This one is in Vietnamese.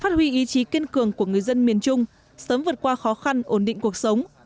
phát huy ý chí kiên cường của người dân miền trung sớm vượt qua khó khăn ổn định cuộc sống